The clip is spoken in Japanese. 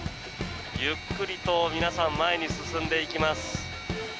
ゆっくりと皆さん、前に進んでいきます。